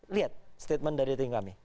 lihat statement dari tim kami